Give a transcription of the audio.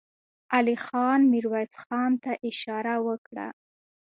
علی خان ميرويس خان ته اشاره وکړه.